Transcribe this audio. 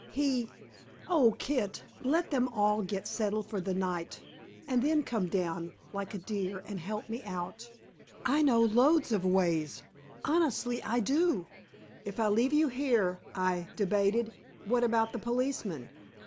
He oh, Kit, let them all get settled for the night, and then come down, like a dear, and help me out. I know loads of ways honestly I do." "If I leave you here," I debated, "what about the policeman?"